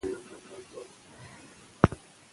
که ښځې په دفترونو کې کار وکړي نو کارونه به نه ځنډیږي.